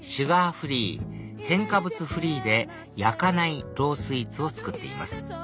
フリー添加物フリーで焼かないロースイーツを作っています